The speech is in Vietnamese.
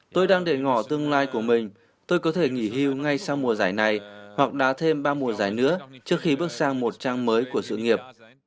tôi đang để ngỏ tương lai của mình tôi có thể nghỉ hưu ngay sau mùa giải này hoặc đã thêm ba mùa dài nữa trước khi bước sang một trang mới của sự nghiệp